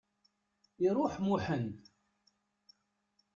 Iruḥ Muḥend.